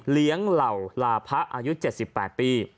เลี้ยงเหล่าลาพะอายุ๗๘ปี